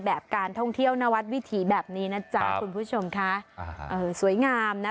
การท่องเที่ยวนวัดวิถีแบบนี้นะจ๊ะคุณผู้ชมค่ะเออสวยงามนะ